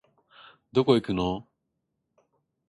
どこ行くのお